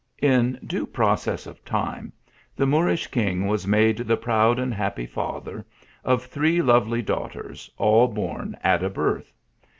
In due process of time, the Moorish king was made the proud and happy father of three lovely daughters, all born at a birth.